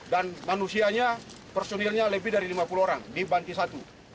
dan manusianya personilnya lebih dari lima puluh orang dibanding satu